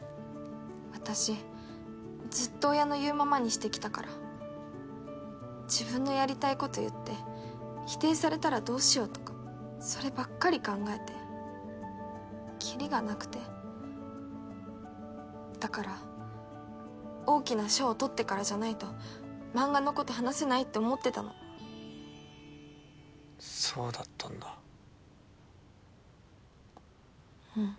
私ずっと親の言うままにしてきたから自分のやりたいこと言って否定されたらどうしようとかそればっかり考えてきりがなくてだから大きな賞を取ってからじゃないと漫画のこと話せないって思ってたのそうだったんだうん